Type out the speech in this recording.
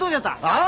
ああ！